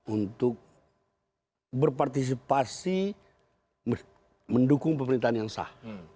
untuk berpartisipasi mendukung pemerintahan yang sah